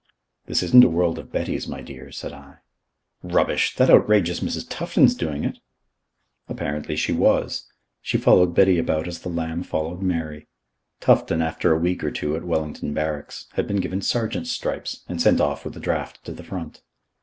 "This isn't a world of Bettys, my dear," said I. "Rubbish! The outrageous Mrs. Tufton's doing it." Apparently she was. She followed Betty about as the lamb followed Mary. Tufton, after a week or two at Wellington Barracks, had been given sergeant's stripes and sent off with a draft to the front.